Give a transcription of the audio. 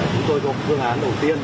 chúng tôi có một phương án đầu tiên